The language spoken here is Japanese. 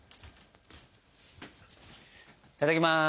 いただきます。